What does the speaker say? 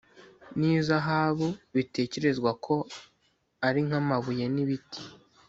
n izahabu bitekerezwa ko ari nk amabuye n ibiti